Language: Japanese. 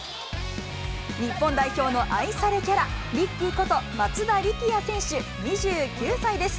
日本代表の愛されキャラ、リッキーこと、松田力也選手２９歳です。